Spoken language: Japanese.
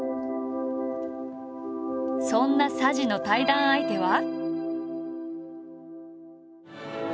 そんな佐治の対談相手は。